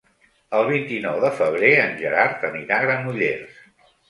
El vint-i-nou de febrer en Gerard anirà a Granollers.